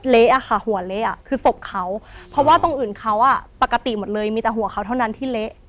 เละอะค่ะหัวเละอ่ะคือศพเขาเพราะว่าตรงอื่นเขาอ่ะปกติหมดเลยมีแต่หัวเขาเท่านั้นที่เละ